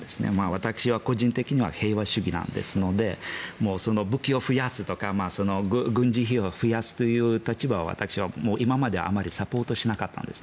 私は個人的には平和主義なので武器を増やすとか軍事費を増やすという立場は私は今まであまりサポートしなかったんです